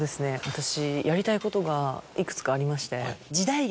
私やりたいことがいくつかありまして。